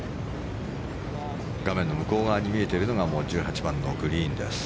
画面の向こう側に見えているのが１８番のグリーンです。